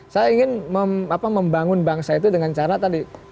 saya ingin membangun bangsa itu dengan cara tadi